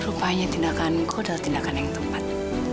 rupanya tindakan kau adalah tindakan yang tepat